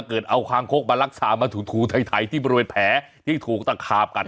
เอาคางคกมาลักษามาถูถ่ายที่มันเป็นแผลที่ถูกตะขาวกัด